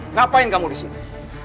ngapain kamu disini